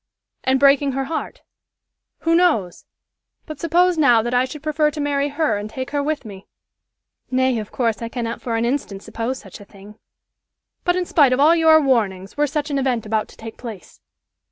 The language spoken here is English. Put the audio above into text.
"And breaking her heart who knows? But suppose now that I should prefer to marry her and take her with me?" "Nay, of course, I cannot for an instant suppose such a thing." "But in spite of all your warnings, were such an event about to take place?"